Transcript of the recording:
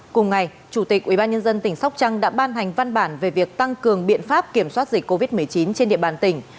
cùng ngày chủ tịch ubnd tỉnh sóc trăng đã ban hành văn bản về việc tăng cường biện pháp kiểm soát dịch covid một mươi chín trên địa bàn tỉnh